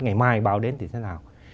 ngày mai báo đến thì thế nào